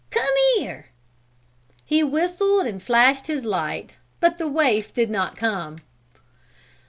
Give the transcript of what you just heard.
Come here!" He whistled and flashed his light, but the waif did not come.